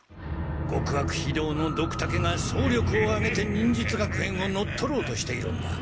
極悪非道のドクタケが総力をあげて忍術学園を乗っ取ろうとしているんだ。